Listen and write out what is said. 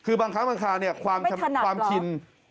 คือบางครั้งบางคราวเนี่ยความชิน